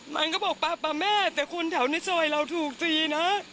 มันก็บอกปลาแม่แต่คนแถวในซอยเราถูกตีนะ